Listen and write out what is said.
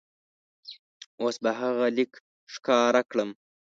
اوس به هغه لیک ښکاره کړم.